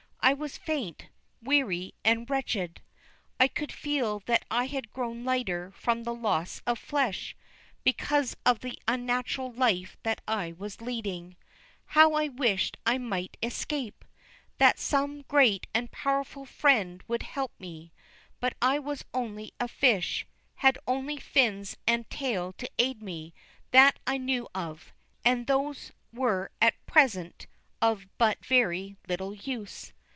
I was faint, weary, and wretched. I could feel that I had grown lighter from loss of flesh, because of the unnatural life that I was leading. How I wished I might escape! That some great and powerful Friend would help me. But I was only a fish, had only fins and tail to aid me, that I knew of, and those were at present of but very little use.